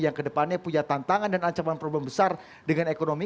yang kedepannya punya tantangan dan ancaman problem besar dengan ekonomi